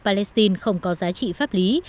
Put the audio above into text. palestine không có giá trị pháp lý